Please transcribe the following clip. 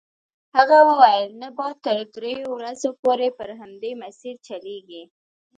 هغه وویل نه باد تر دریو ورځو پورې پر همدې مسیر چلیږي.